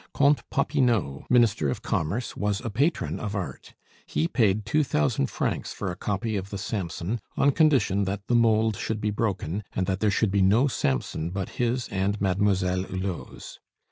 Comte Popinot, Minister of Commerce, was a patron of Art; he paid two thousand francs for a copy of the Samson on condition that the mould should be broken, and that there should be no Samson but his and Mademoiselle Hulot's.